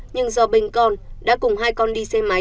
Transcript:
nhưng do bên con đã cùng hai con đi xe máy